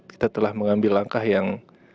kita telah mengambil langkah yang